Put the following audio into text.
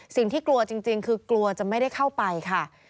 สิ่งที่กลัวจริงคือกลัวจะไม่ได้เข้าไปค่ะ